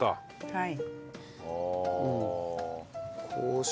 はい。